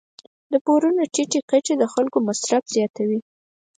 د پورونو ټیټې کچې د خلکو مصرف زیاتوي.